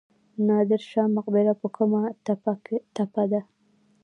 نادر شاه مقبره په کومه تپه ده؟